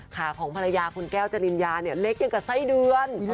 ขาของภรรยาคุณแก้วเจริญญาเล็กอย่างกับทรายเดือน